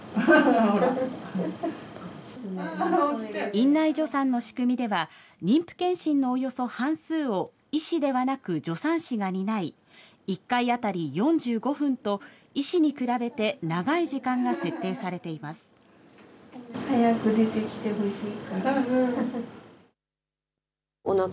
院内助産の仕組みでは妊婦健診のおよそ半数を医師ではなく助産師が担い、１回当たり４５分と、医師に比べて長い時間が設定され早く出てきてほしい。